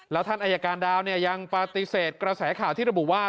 แล้วท่านอายการดาวยังปฏิเสธกระแสข่าวที่ระบุว่า